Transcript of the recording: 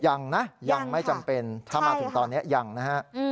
ยังนะยังไม่จำเป็นถ้ามาถึงตอนนี้ยังนะฮะ